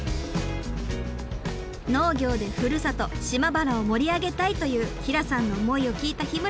「農業でふるさと島原を盛り上げたい」という平さんの思いを聞いた日村さん。